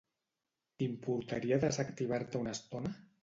T'importaria desactivar-te una estona?